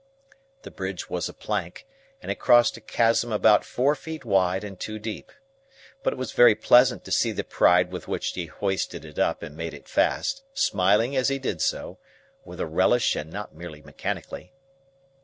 The bridge was a plank, and it crossed a chasm about four feet wide and two deep. But it was very pleasant to see the pride with which he hoisted it up and made it fast; smiling as he did so, with a relish and not merely mechanically.